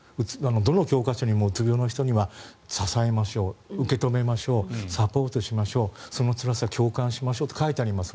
どの教科書にも、うつ病の人には支えましょう受け止めましょうサポートしましょうそのつらさを共感しましょうって書いてあります。